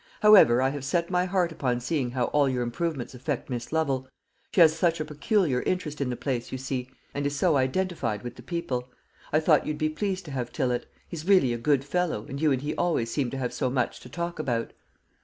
"However, I have set my heart upon seeing how all your improvements affect Miss Lovel. She has such a peculiar interest in the place, you see, and is so identified with the people. I thought you'd be pleased to have Tillott. He's really a good fellow, and you and he always seem to have so much to talk about."